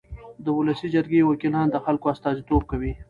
د ولسي جرګې وکیلان د خلکو استازیتوب کوي.